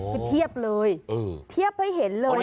คือเทียบเลยเทียบให้เห็นเลย